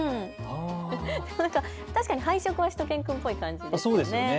確かに配色はしゅと犬くんっぽい感じですね。